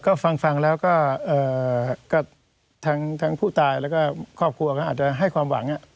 ก็ฟังแล้วก็ทั้งผู้ตายแล้วก็ครอบครัวก็อาจจะให้ความหวัง